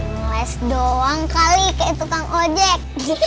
ngeles doang kali kayak tukang ojek gitu